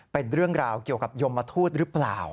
เป็นเรื่องราวเกี่ยวกับยมทูตหรือเปล่า